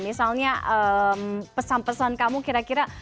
misalnya pesan pesan kamu kira kira